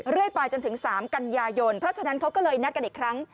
เรื่อยไปจนถึง๓กันยายนเพราะฉะนั้นเขาก็เลยนัดกันอีกครั้ง